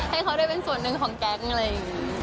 ให้เขาได้เป็นส่วนหนึ่งของแก๊งอะไรอย่างนี้